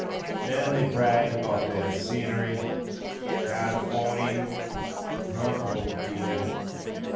Then they brag about their scenery! Californy ! Humph ! O dear